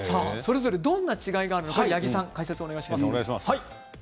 どんな違いがあるか八木さん、お願いします。